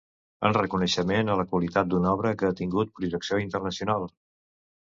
En reconeixement a la qualitat d’una obra que ha obtingut projecció internacional.